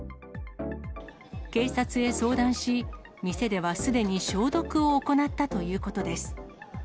警察へ相談し、店ではすでに消毒を行ったということです。